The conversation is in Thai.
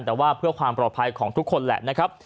แต่ว่าเพื่อความปลอดภัยของทุกคนแหละนะครับ